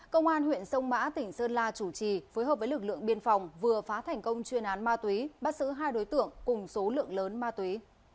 công an huyện sông mã tỉnh sơn la chủ trì phối hợp với lực lượng biên phòng vừa phá thành công chuyên án ma túy bắt giữ hai đối tượng cùng số lượng lớn ma túy